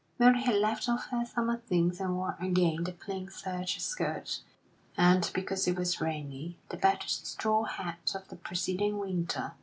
Mary had left off her summer things and wore again the plain serge skirt, and because it was rainy, the battered straw hat of the preceding winter.